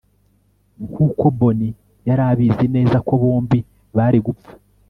nkuko bonnie yari abizi neza ko bombi bari gupfa